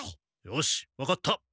よし分かった。